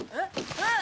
あっ。